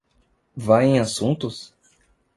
Vá em assuntos?